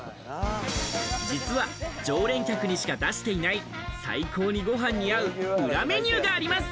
実は常連客にしか出していない最高にご飯に合う裏メニューがあります。